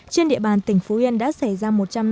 trên địa bàn tỉnh phú yên đã xảy ra